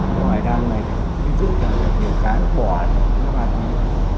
cái hội giải đăng này mình giúp đỡ được điều khá là bổ hạn cho các bạn